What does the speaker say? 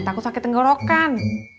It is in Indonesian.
takut sakit tenggorokan